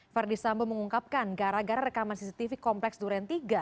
verdi sambo mengungkapkan gara gara rekaman cctv kompleks duren tiga